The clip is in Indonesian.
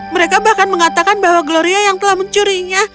mereka bahkan mengatakan bahwa gloria yang telah mencurinya